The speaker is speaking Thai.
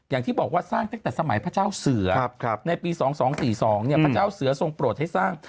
อย่างที่บอกว่าสร้างตั้งแต่สมัยพระเจ้าเสือในปี๒๒๔๒พระเจ้าเสือทรงโปรดให้สร้าง